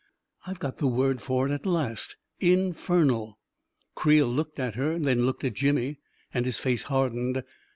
I've got the word for it at last — infernal ! Creel looked at her and then looked at Jimmy, and his face hardened.